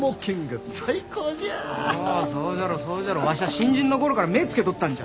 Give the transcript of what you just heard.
新人の頃から目ぇつけとったんじゃ。